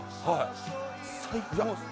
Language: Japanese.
最高っす。